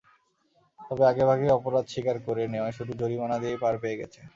তবে আগেভাগেই অপরাধ স্বীকার করে নেওয়ায় শুধু জরিমানা দিয়েই পার পেয়ে গেছেন।